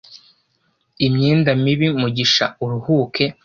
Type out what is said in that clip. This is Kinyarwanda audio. Imyenda mibi Mugisha uruhuke.